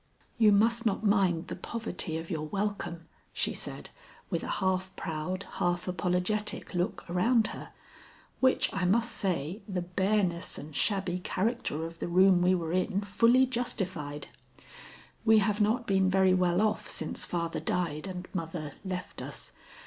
"You must not mind the poverty of your welcome," she said, with a half proud, half apologetic look around her, which I must say the bareness and shabby character of the room we were in fully justified. "We have not been very well off since father died and mother left us.